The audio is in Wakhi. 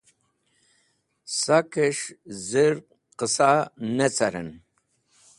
Sakẽs̃h z̃ir qẽsa ne carẽn.